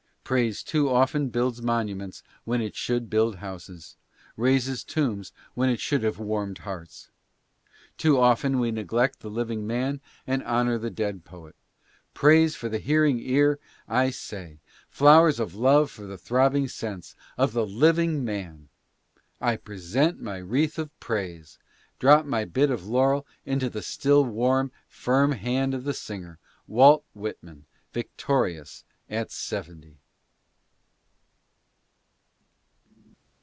Praise too often builds monuments when it should build houses — raises tombs when it should have warmed hearts. Too often we neglect the living man and honor the dead poet. Praise for the hearing ear, I say — flowers of love for the throbbing sense — of the living mar. I present my wreath of praise — drop my bit of laurel into the warm, firm hand of the singer. Wall itman, victorious at seventy